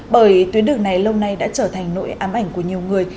bởi tuyến đường này lâu nay đã trở thành nỗi ám ảnh của nhiều người